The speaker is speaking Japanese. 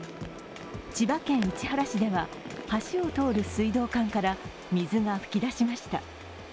千葉県市原市では橋を通る水道管から水が噴き出しました。